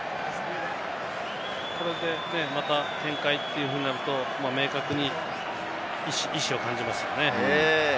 これで、また展開となると明確に意思を感じますね。